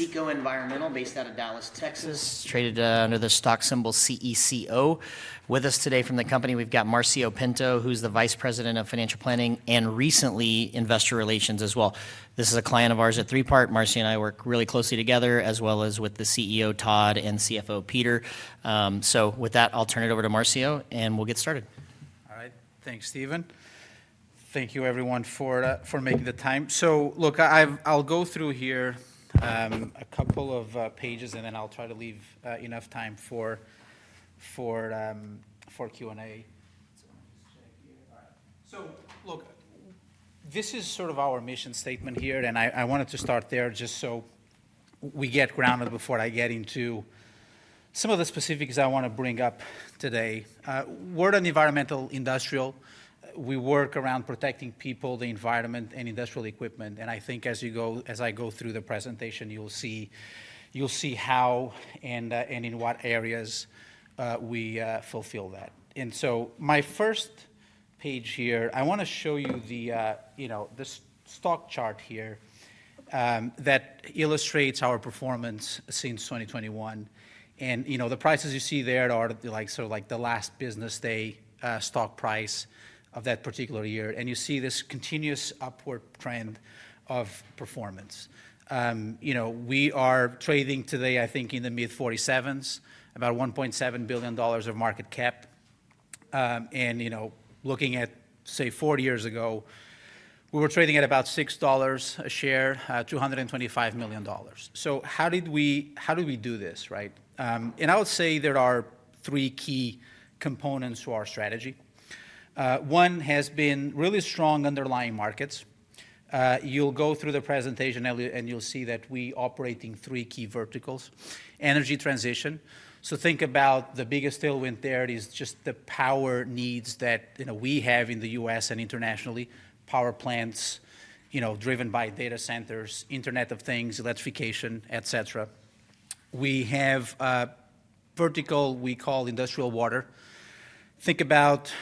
CECO Environmental, based out of Dallas, Texas, traded under the stock symbol CECO. With us today from the company, we've got Marcio Pinto, who's the Vice President of Financial Planning and recently Investor Relations as well. This is a client of ours at 3PART. Marcio and I work really closely together, as well as with the CEO, Todd Gleason, and CFO, Peter Johansson. I'll turn it over to Marcio, and we'll get started. All right. Thanks, Stephen. Thank you, everyone, for making the time. I'll go through here a couple of pages, and then I'll try to leave enough time for Q&A. This is sort of our mission statement here, and I wanted to start there just so we get grounded before I get into some of the specifics I want to bring up today. We're an environmental industrial. We work around protecting people, the environment, and industrial equipment. I think as you go, as I go through the presentation, you'll see how and in what areas we fulfill that. My first page here, I want to show you this stock chart here that illustrates our performance since 2021. The prices you see there are like sort of like the last business day stock price of that particular year. You see this continuous upward trend of performance. We are trading today, I think, in the mid-$47s, about $1.7 billion of market cap. Looking at, say, four years ago, we were trading at about $6 a share, $225 million. How did we do this? I would say there are three key components to our strategy. One has been really strong underlying markets. You'll go through the presentation, and you'll see that we operate in three key verticals: energy transition. Think about the biggest tailwind there. It is just the power needs that we have in the U.S. and internationally, power plants, driven by data centers, Internet of Things, electrification, etc. We have a vertical we call industrial water. Think about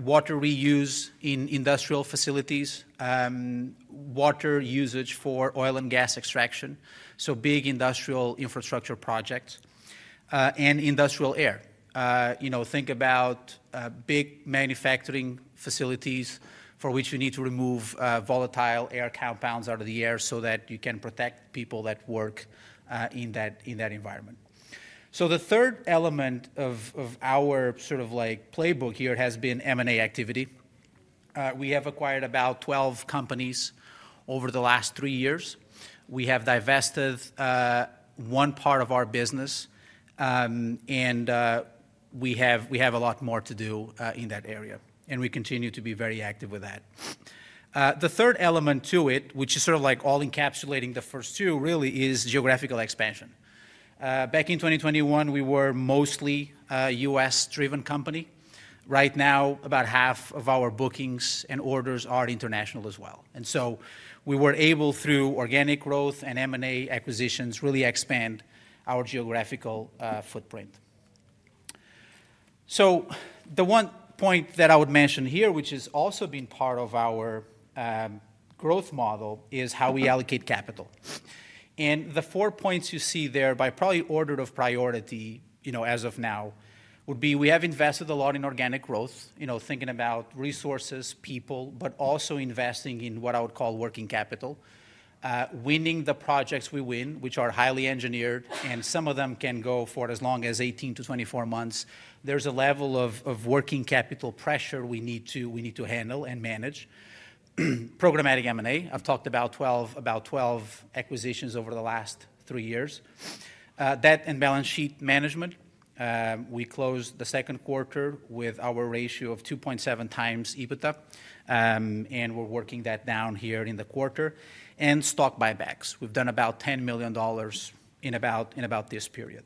water we use in industrial facilities, water usage for oil and gas extraction, big industrial infrastructure projects, and industrial air. Think about big manufacturing facilities for which you need to remove volatile air compounds out of the air so that you can protect people that work in that environment. The third element of our sort of playbook here has been M&A activity. We have acquired about 12 companies over the last three years. We have divested one part of our business, and we have a lot more to do in that area. We continue to be very active with that. The third element to it, which is sort of like all encapsulating the first two, really is geographical expansion. Back in 2021, we were mostly a U.S.-driven company. Right now, about half of our bookings and orders are international as well. We were able, through organic growth and M&A acquisitions, to really expand our geographical footprint. The one point that I would mention here, which has also been part of our growth model, is how we allocate capital. The four points you see there, by probably order of priority as of now, would be we have invested a lot in organic growth, thinking about resources, people, but also investing in what I would call working capital. Winning the projects we win, which are highly engineered, and some of them can go for as long as 18-24 months, there's a level of working capital pressure we need to handle and manage. Programmatic M&A, I've talked about 12 acquisitions over the last three years. Debt and balance sheet management, we closed the second quarter with our ratio of 2.7 times EBITDA, and we're working that down here in the quarter. Stock buybacks, we've done about $10 million in about this period.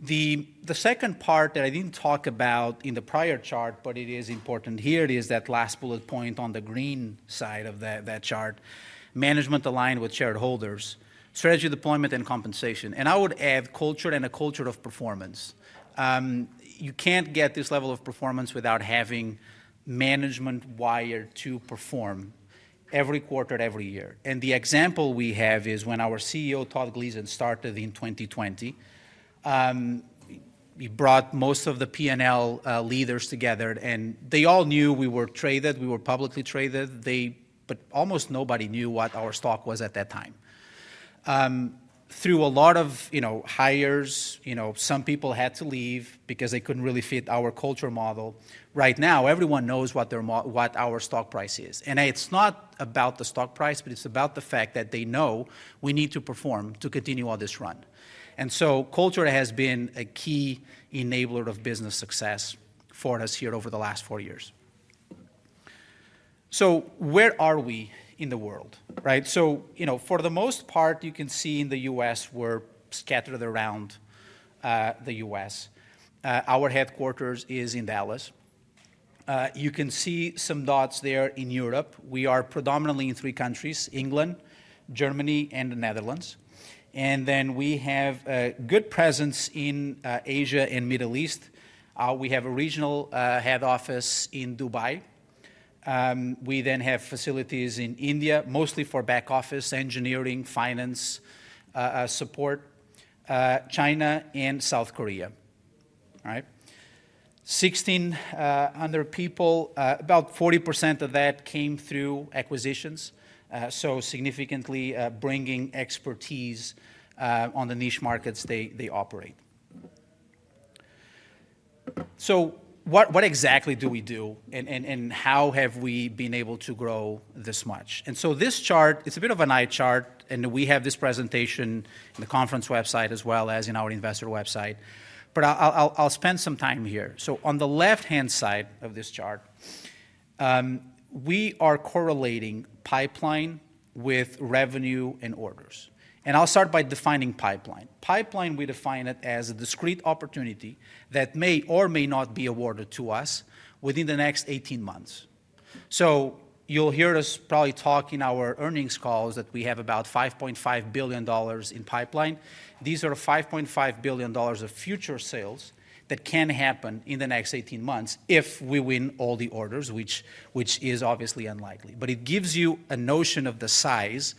The second part that I didn't talk about in the prior chart, but it is important here, is that last bullet point on the green side of that chart: management aligned with shareholders, strategy deployment, and compensation. I would add culture and a culture of performance. You can't get this level of performance without having management wired to perform every quarter, every year. The example we have is when our CEO, Todd Gleason, started in 2020. He brought most of the P&L leaders together, and they all knew we were traded, we were publicly traded, but almost nobody knew what our stock was at that time. Through a lot of hires, some people had to leave because they couldn't really fit our culture model. Right now, everyone knows what our stock price is. It's not about the stock price, but it's about the fact that they know we need to perform to continue on this run. Culture has been a key enabler of business success for us here over the last four years. Where are we in the world? For the most part, you can see in the U.S., we're scattered around the U.S. Our headquarters is in Dallas, Texas. You can see some dots there in Europe. We are predominantly in three countries: England, Germany, and the Netherlands. We have a good presence in Asia and the Middle East. We have a regional head office in Dubai. We then have facilities in India, mostly for back office, engineering, finance support, China, and South Korea. 1,600 people, about 40% of that came through acquisitions, so significantly bringing expertise on the niche markets they operate. What exactly do we do, and how have we been able to grow this much? This chart, it's a bit of an eye chart, and we have this presentation in the conference website as well as in our investor website. I'll spend some time here. On the left-hand side of this chart, we are correlating pipeline with revenue and orders. I'll start by defining pipeline. Pipeline, we define it as a discrete opportunity that may or may not be awarded to us within the next 18 months. You'll hear us probably talk in our earnings calls that we have about $5.5 billion in pipeline. These are $5.5 billion of future sales that can happen in the next 18 months if we win all the orders, which is obviously unlikely. It gives you a notion of the size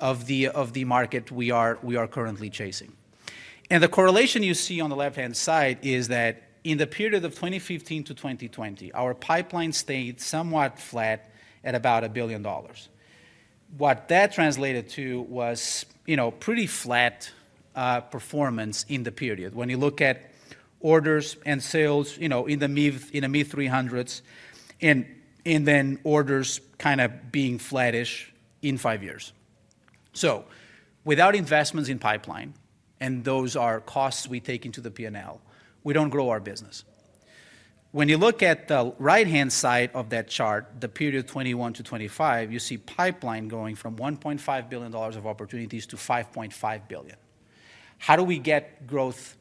of the market we are currently chasing. The correlation you see on the left-hand side is that in the period of 2015 to 2020, our pipeline stayed somewhat flat at about $1 billion. What that translated to was pretty flat performance in the period when you look at orders and sales in the mid-$300 million and then orders kind of being flattish in five years. Without investments in pipeline, and those are costs we take into the P&L, we don't grow our business. When you look at the right-hand side of that chart, the period 2021 to 2025, you see pipeline going from $1.5 billion of opportunities to $5.5 billion. How do we get growth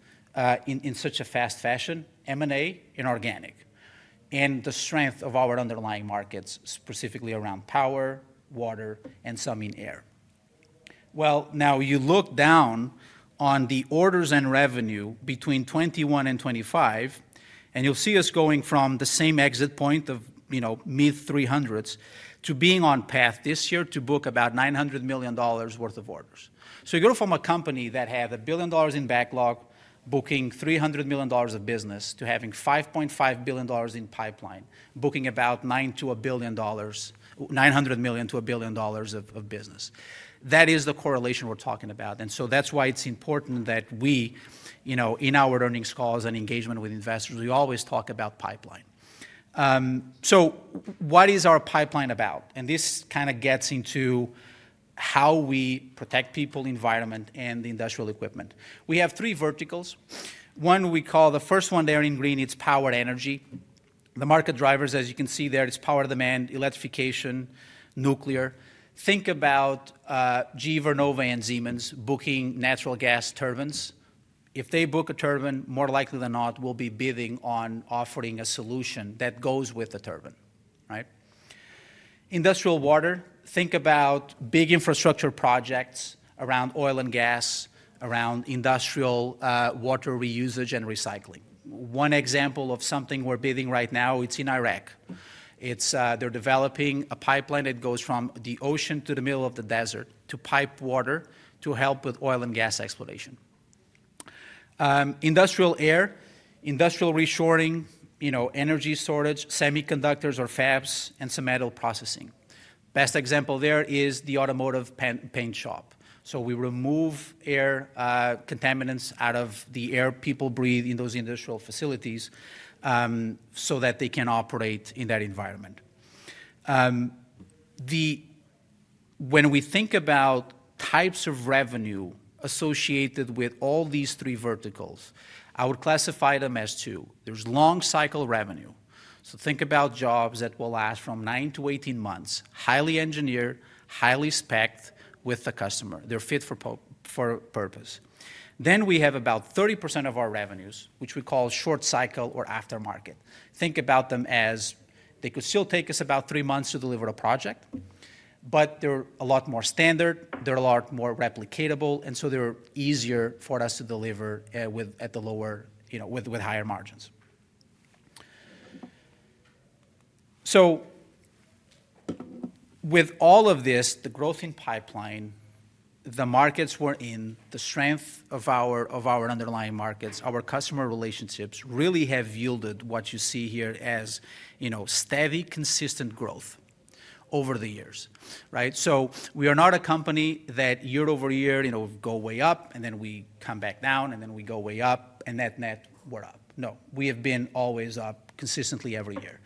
in such a fast fashion? M&A and organic, and the strength of our underlying markets, specifically around power, water, and some in air. You look down on the orders and revenue between 2021 and 2025, and you'll see us going from the same exit point of mid-$300 million to being on path this year to book about $900 million worth of orders. You go from a company that had $1 billion in backlog, booking $300 million of business, to having $5.5 billion in pipeline, booking about $900 million-$1 billion of business. That is the correlation we're talking about. That's why it's important that we, in our earnings calls and engagement with investors, always talk about pipeline. What is our pipeline about? This kind of gets into how we protect people, the environment, and the industrial equipment. We have three verticals. One we call the first one there in green, it's power energy. The market drivers, as you can see there, it's power demand, electrification, nuclear. Think about GE, Vernova, and Siemens booking natural gas turbines. If they book a turbine, more likely than not, we'll be bidding on offering a solution that goes with the turbine. Industrial water, think about big infrastructure projects around oil and gas, around industrial water reusage and recycling. One example of something we're bidding right now, it's in Iraq. They're developing a pipeline that goes from the ocean to the middle of the desert to pipe water to help with oil and gas exploration. Industrial air, industrial reshoring, energy storage, semiconductors or fabs, and some metal processing. Best example there is the automotive paint shop. We remove air contaminants out of the air people breathe in those industrial facilities so that they can operate in that environment. When we think about types of revenue associated with all these three verticals, I would classify them as two. There's long-cycle revenue. Think about jobs that will last from 9-18 months, highly engineered, highly specced with the customer. They're fit for purpose. We have about 30% of our revenues, which we call short-cycle or aftermarket. Think about them as they could still take us about three months to deliver a project, but they're a lot more standard, they're a lot more replicatable, and they're easier for us to deliver with higher margins. With all of this, the growth in pipeline, the markets we're in, the strength of our underlying markets, our customer relationships really have yielded what you see here as steady, consistent growth over the years. We are not a company that year over year, we go way up, and then we come back down, and then we go way up, and that meant we're up. No, we have been always up consistently every year.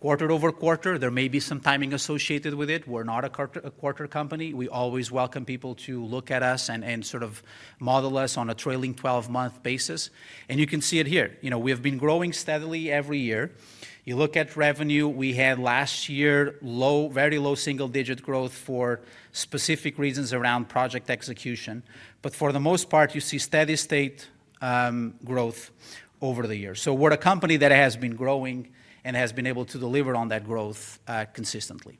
Quarter over quarter, there may be some timing associated with it. We're not a quarter company. We always welcome people to look at us and sort of model us on a trailing 12-month basis. You can see it here. We have been growing steadily every year. You look at revenue, we had last year very low single-digit growth for specific reasons around project execution. For the most part, you see steady state growth over the years. We're a company that has been growing and has been able to deliver on that growth consistently.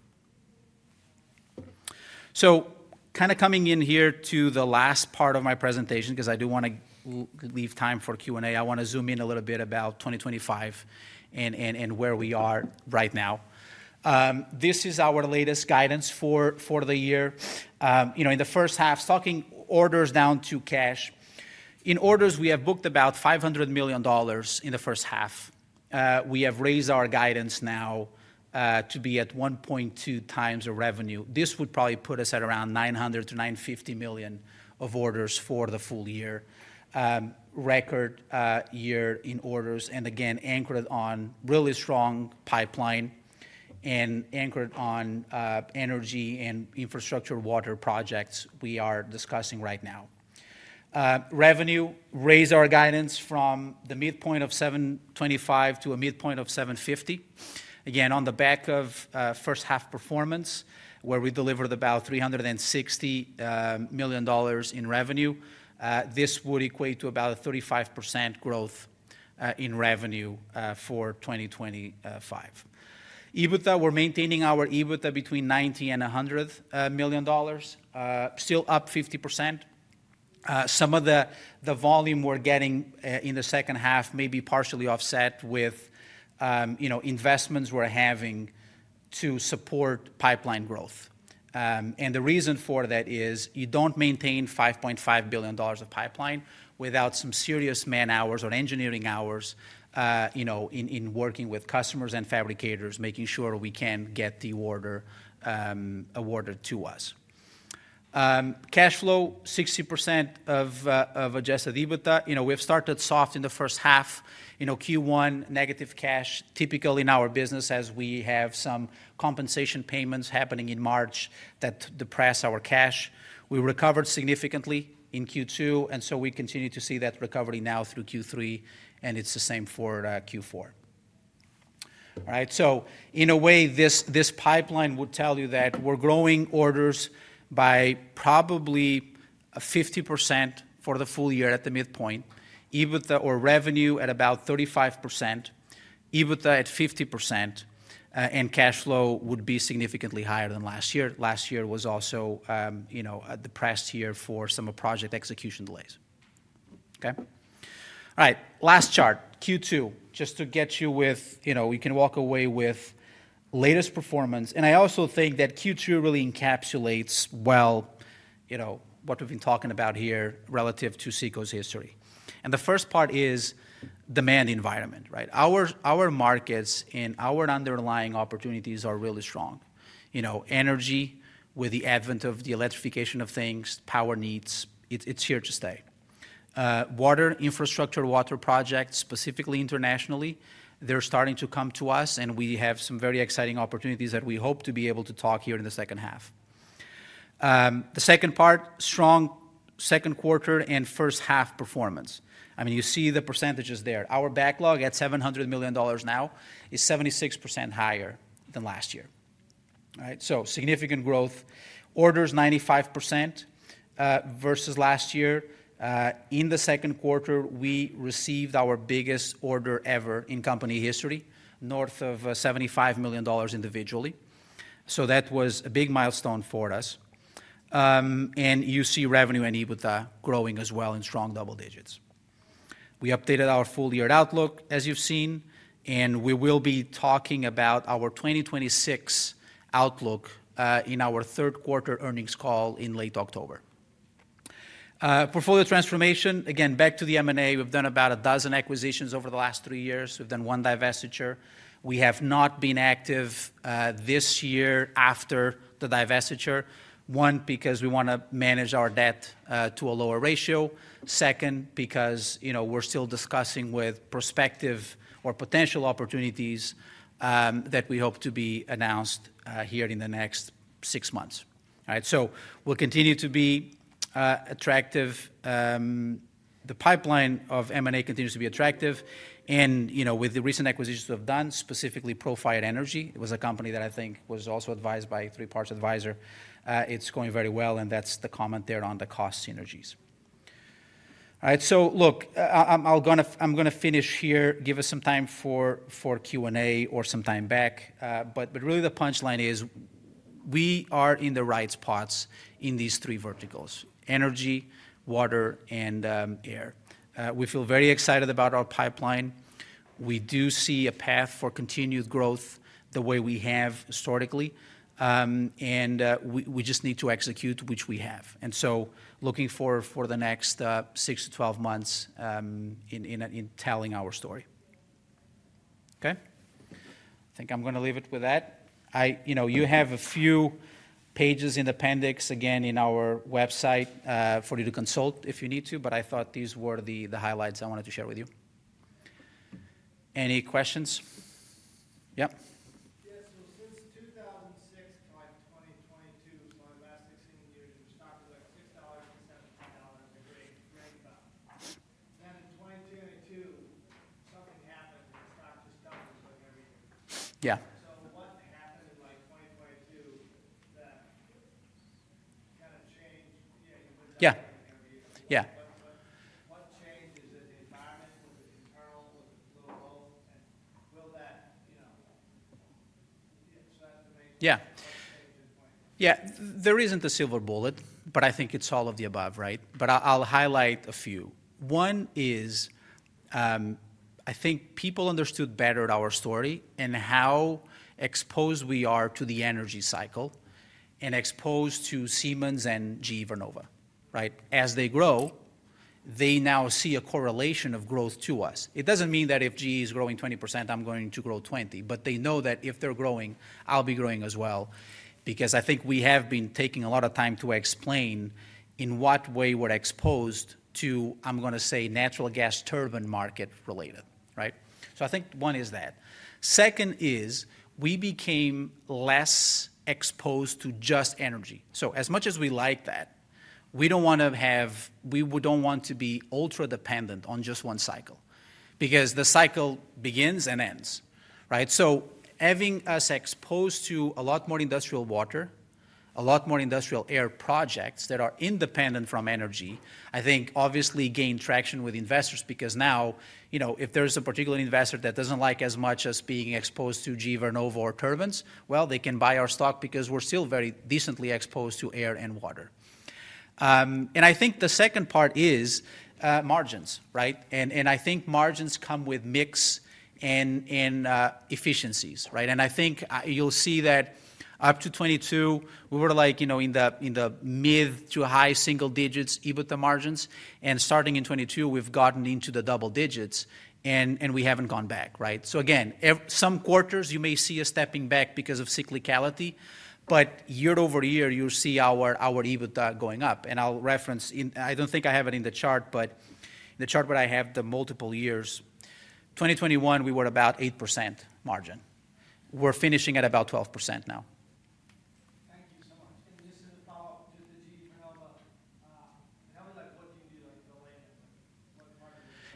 Coming in here to the last part of my presentation, because I do want to leave time for Q&A, I want to zoom in a little bit about 2025 and where we are right now. This is our latest guidance for the year. You know, in the first half, stocking orders down to cash, in orders, we have booked about $500 million in the first half. We have raised our guidance now to be at 1.2 times revenue. This would probably put us at around $900-$950 million of orders for the full year. Record year in orders, and again, anchored on really strong pipeline and anchored on energy and infrastructure water projects we are discussing right now. Revenue raised our guidance from the midpoint of $725 to a midpoint of $750. Again, on the back of first-half performance, where we delivered about $360 million in revenue, this would equate to about a 35% growth in revenue for 2025. EBITDA, we're maintaining our EBITDA between $90 and $100 million, still up 50%. Some of the volume we're getting in the second half may be partially offset with investments we're having to support pipeline growth. The reason for that is you don't maintain $5.5 billion of pipeline without some serious man hours or engineering hours in working with customers and fabricators, making sure we can get the order awarded to us. Cash flow, 60% of adjusted EBITDA. We've started soft in the first half. Q1, negative cash, typically in our business, as we have some compensation payments happening in March that depress our cash. We recovered significantly in Q2, and we continue to see that recovery now through Q3, and it's the same for Q4. In a way, this pipeline would tell you that we're growing orders by probably 50% for the full year at the midpoint, EBITDA or revenue at about 35%, EBITDA at 50%, and cash flow would be significantly higher than last year. Last year was also a depressed year for some of the project execution delays. Last chart, Q2, just to get you with, you know, we can walk away with latest performance. I also think that Q2 really encapsulates well what we've been talking about here relative to CECO Environmental's history. The first part is demand environment. Our markets and our underlying opportunities are really strong. Energy, with the advent of the electrification of things, power needs, it's here to stay. Water infrastructure, water projects, specifically internationally, they're starting to come to us, and we have some very exciting opportunities that we hope to be able to talk here in the second half. The second part, strong second quarter and first half performance. I mean, you see the percentages there. Our backlog at $700 million now is 76% higher than last year. All right, significant growth. Orders 95% versus last year. In the second quarter, we received our biggest order ever in company history, north of $75 million individually. That was a big milestone for us. You see revenue and EBITDA growing as well in strong double digits. We updated our full-year outlook, as you've seen, and we will be talking about our 2026 outlook in our third quarter earnings call in late October. Portfolio transformation, again, back to the M&A. We've done about a dozen acquisitions over the last three years. We've done one divestiture. We have not been active this year after the divestiture, one, because we want to manage our debt to a lower ratio, second, because we're still discussing with prospective or potential opportunities that we hope to be announced here in the next six months. We'll continue to be attractive. The pipeline of M&A continues to be attractive. With the recent acquisitions we've done, specifically Profite Energy, it was a company that I think was also advised by 3PART's advisor. It's going very well, and that's the comment there on the cost synergies. All right, I'm going to finish here, give us some time for Q&A or some time back. Really, the punchline is we are in the right spots in these three verticals: energy, water, and air. We feel very excited about our pipeline. We do see a path for continued growth the way we have historically, and we just need to execute which we have. Looking forward for the next 6-12 months in telling our story. I'm going to leave it with that. You have a few pages in the appendix, again, in our website for you to consult if you need to, but I thought these were the highlights I wanted to share with you. Any questions? Yeah? Yeah, so since 2006, by 2022, it was my last 16 years, it was $6.75 an hour on the grid. You got. In 2022, something happened, and it stopped. This done was like everything. Yeah. One thing happened in 2022 that. Yeah. Yeah. The environment with the internal will hold. Will that, you know. Yeah. Yeah, there isn't a silver bullet, but I think it's all of the above, right? I'll highlight a few. One is I think people understood better our story and how exposed we are to the energy cycle and exposed to Siemens and GE Vernova. As they grow, they now see a correlation of growth to us. It doesn't mean that if GE is growing 20%, I'm going to grow 20%. They know that if they're growing, I'll be growing as well. I think we have been taking a lot of time to explain in what way we're exposed to, I'm going to say, natural gas turbine market related. I think one is that. Second is we became less exposed to just energy. As much as we like that, we don't want to have, we don't want to be ultra-dependent on just one cycle. The cycle begins and ends. Having us exposed to a lot more industrial water, a lot more industrial air projects that are independent from energy, I think obviously gained traction with investors. Now, you know, if there's a particular investor that doesn't like as much as being exposed to GE Vernova or turbines, they can buy our stock because we're still very decently exposed to air and water. I think the second part is margins. I think margins come with mix and efficiencies. I think you'll see that up to 2022, we were like, you know, in the mid to high single-digits EBITDA margins. Starting in 2022, we've gotten into the double digits, and we haven't gone back. Some quarters you may see us stepping back because of cyclicality, but year over year, you see our EBITDA going up. I'll reference, I don't think I have it in the chart, but in the chart where I have the multiple years, 2021, we were about 8% margin. We're finishing at about 12% now.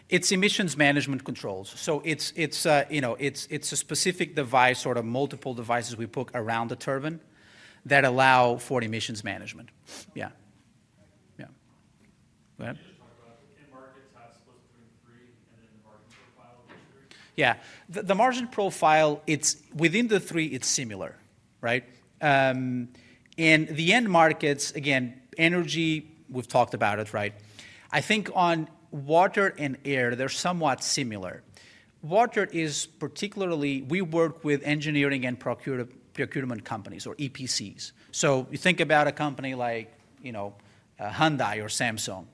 It's emissions management controls. It's a specific device or multiple devices we put around the turbine that allow for emissions management. Yeah. Yeah. Go ahead. Yeah, the margin profile, it's within the three, it's similar. The end markets, again, energy, we've talked about it. I think on water and air, they're somewhat similar. Water is particularly, we work with engineering and procurement companies or EPCs. You think about a company like, you know, Hyundai or Samsung.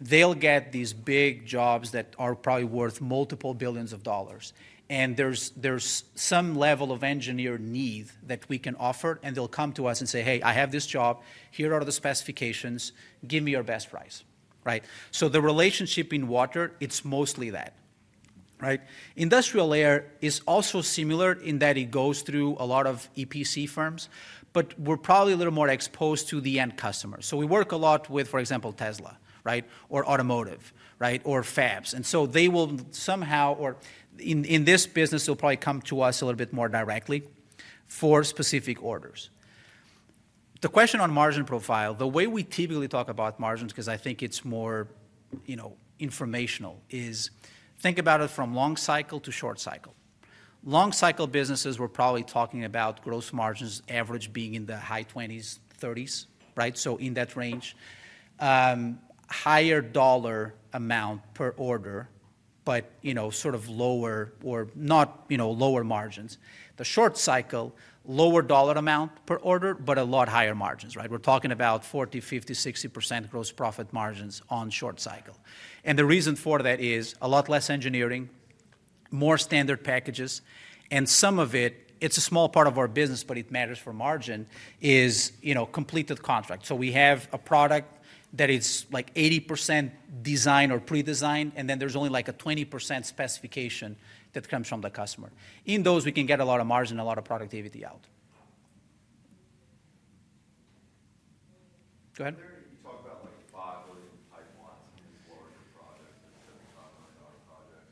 They'll get these big jobs that are probably worth multiple billions of dollars. There's some level of engineer need that we can offer, and they'll come to us and say, "Hey, I have this job. Here are the specifications." "Give me your best price." The relationship in industrial water is mostly that. Industrial air is also similar in that it goes through a lot of EPC firms, but we're probably a little more exposed to the end customer. We work a lot with, for example, Tesla or automotive or fabs. In this business, they'll probably come to us a little bit more directly for specific orders. The question on margin profile, the way we typically talk about margins, because I think it's more informational, is think about it from long-cycle to short-cycle. Long-cycle businesses, we're probably talking about gross margins average being in the high 20s, 30s. In that range, higher dollar amount per order, but sort of lower or not, you know, lower margins. The short-cycle, lower dollar amount per order, but a lot higher margins. We're talking about 40%-60% gross profit margins on short-cycle. The reason for that is a lot less engineering, more standard packages, and some of it, it's a small part of our business, but it matters for margin, is completed contract. We have a product that is like 80% design or pre-design, and then there's only like a 20% specification that comes from the customer. In those, we can get a lot of margin and a lot of productivity out. Go ahead. I've got like five new projects that are going to be done by our project.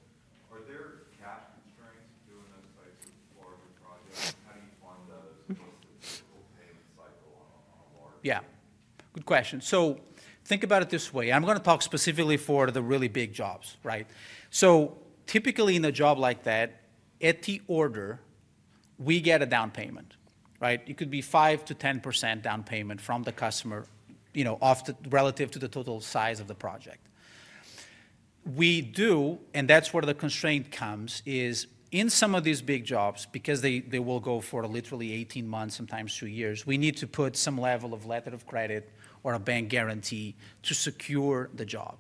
Are there cash constraints during those places for a new project? How do you find that? Yeah, good question. Think about it this way. I'm going to talk specifically for the really big jobs. Typically in a job like that, at the order, we get a down payment. It could be 5%-10% down payment from the customer, you know, relative to the total size of the project. That's where the constraint comes, in some of these big jobs, because they will go for literally 18 months, sometimes two years. We need to put some level of letter of credit or a bank guarantee to secure the job.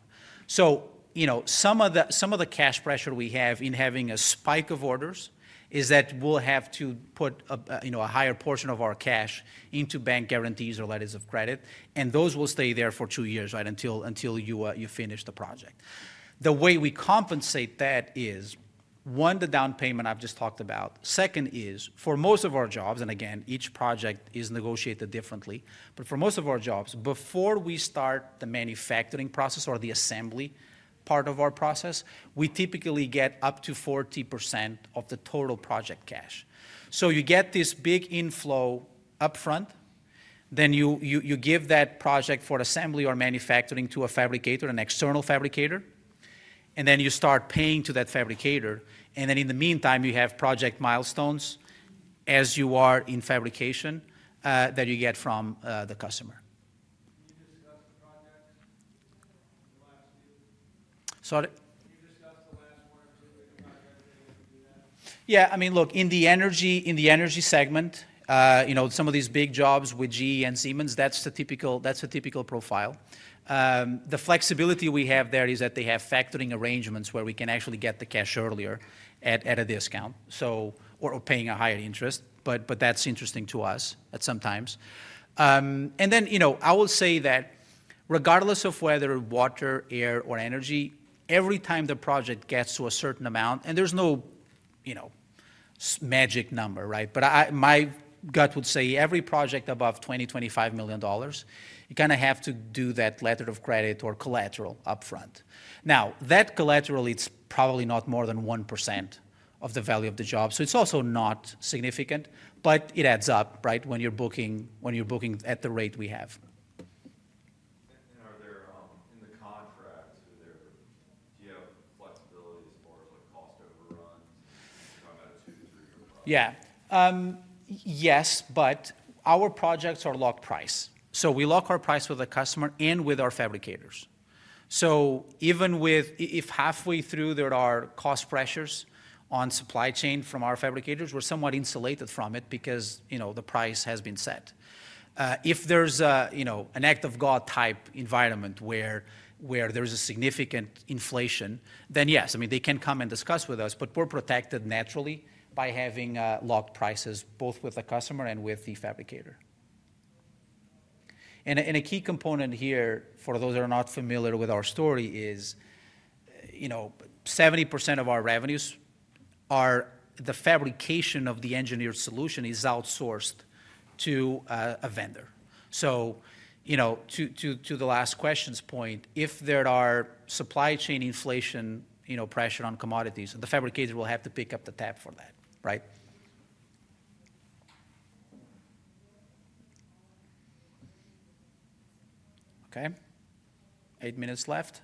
Some of the cash pressure we have in having a spike of orders is that we'll have to put a higher portion of our cash into bank guarantees or letters of credit, and those will stay there for two years, right, until you finish the project. The way we compensate that is, one, the down payment I've just talked about. Second is, for most of our jobs, and again, each project is negotiated differently, but for most of our jobs, before we start the manufacturing process or the assembly part of our process, we typically get up to 40% of the total project cash. You get this big inflow upfront, then you give that project for assembly or manufacturing to a fabricator, an external fabricator, and then you start paying to that fabricator. In the meantime, you have project milestones as you are in fabrication that you get from the customer. In the energy segment, some of these big jobs with GE and Siemens, that's a typical profile. The flexibility we have there is that they have factoring arrangements where we can actually get the cash earlier at a discount or paying a higher interest, but that's interesting to us at some times. I will say that regardless of whether water, air, or energy, every time the project gets to a certain amount, and there's no magic number, right, but my gut would say every project above $20 million-$25 million, you kind of have to do that letter of credit or collateral upfront. Now, that collateral, it's probably not more than 1% of the value of the job, so it's also not significant, but it adds up, right, when you're booking at the rate we have. They are all in the contracts and they are. Yes, but our projects are locked price. We lock our price with the customer and with our fabricators. Even if halfway through there are cost pressures on supply chain from our fabricators, we're somewhat insulated from it because the price has been set. If there's an act of God type environment where there's a significant inflation, then yes, they can come and discuss with us, but we're protected naturally by having locked prices both with the customer and with the fabricator. A key component here for those that are not familiar with our story is 70% of our revenues are the fabrication of the engineered solution is outsourced to a vendor. To the last question's point, if there are supply chain inflation pressure on commodities, the fabricator will have to pick up the tab for that. Okay, eight minutes left.